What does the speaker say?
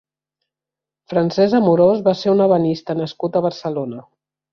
Francesc Amorós va ser un ebenista nascut a Barcelona.